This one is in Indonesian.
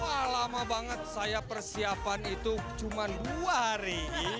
wah lama banget saya persiapan itu cuma dua hari